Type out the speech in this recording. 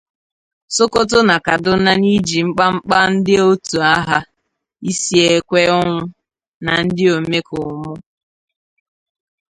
Sokoto na Kaduna n'iji mkpamkpa ndị òtù agha isi ekwe ọnwụ na ndị omekoome.